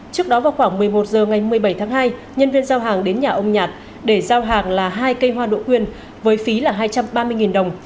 trước đó vào khoảng một mươi một h ngày một mươi bảy tháng hai nhân viên giao hàng đến nhà ông nhạt để giao hàng là hai cây hoa đỗ quyên với phí là hai trăm ba mươi đồng